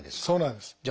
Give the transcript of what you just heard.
そうなんです。